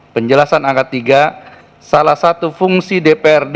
penjelasan angkat tiga salah satu fungsi dprd